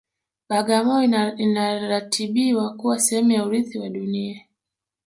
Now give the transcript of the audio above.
bagamoyo inaratibiwa kuwa sehemu ya urithi wa dunia